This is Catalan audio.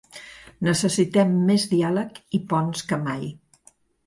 Necessitem més diàleg i ponts que mai.